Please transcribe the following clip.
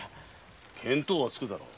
見当はつくだろう。